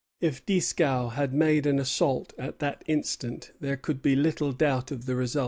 If Dieskau had made an assault at that instant, there could be little doubt of the result.